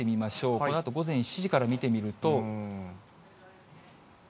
このあと午前７時から見てみると。